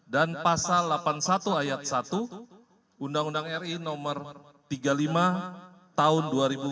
dan pasal delapan puluh satu ayat satu undang undang ri nomor tiga puluh lima tahun dua ribu empat belas